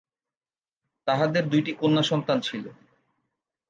তাহাদের দুইটি কন্যা সন্তান ছিল।